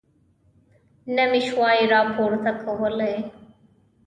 نه مې شوای راپورته کولی.